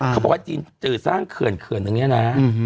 เขาบอกว่าจีนจะสร้างเขื่อนเขื่อนอย่างนี้นะ